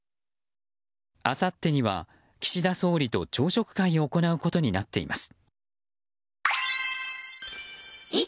あさってには岸田総理と朝食会を行うことになっています。